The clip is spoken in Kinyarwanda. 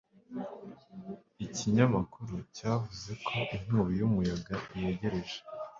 Ikinyamakuru cyavuze ko inkubi y'umuyaga yegereje.